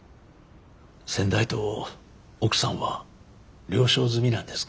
先代と奥さんは了承済みなんですか。